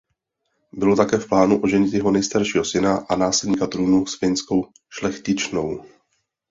Bylo také v plánu oženit jeho nejstaršího syna a následníka trůnu s finskou šlechtičnou.